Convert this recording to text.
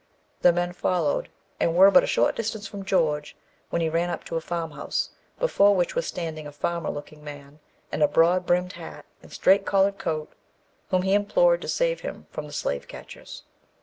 The men followed, and were but a short distance from George, when he ran up to a farmhouse, before which was standing a farmer looking man, in a broad brimmed hat and straight collared coat, whom he implored to save him from the "slave catchers."